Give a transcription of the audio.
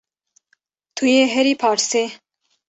Tu yê herî parsê